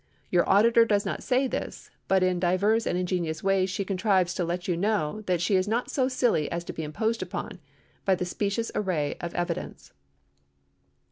Your auditor does not say this, but in divers and ingenious ways she contrives to let you know that she is not so silly as to be imposed upon by the specious array of evidence.